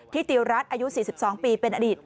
ติวรัฐอายุ๔๒ปีเป็นอดีต